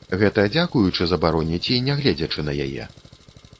Гэта дзякуючы забароне ці нягледзячы на яе?